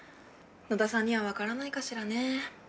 野田さんには分からないかしらね